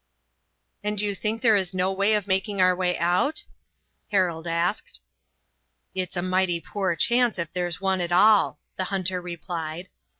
"And you think there is no way of making our way out?" Harold asked. "It's a mighty poor chance, if there's one at all," the hunter replied.